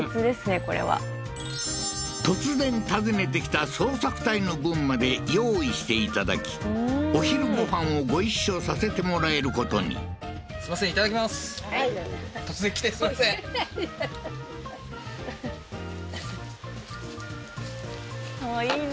これは突然訪ねてきた捜索隊の分まで用意していただきお昼ご飯をご一緒させてもらえることにいいな